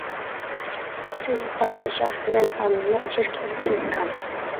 سىز پادىشاھ مەن خان، مەن شىركەت سىز كان.